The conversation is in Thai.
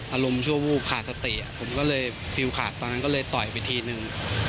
อารมณ์ชั่ววูบขาดสติผมก็เลยฟิลขาดตอนนั้นก็เลยต่อยไปทีนึง